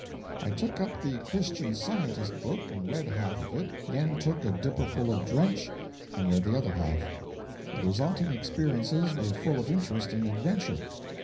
I took up the 'Christian Scientist' book and read half of it, then took a dipperful of drench and read the other half. The resulting experiences were full of interest and adventure.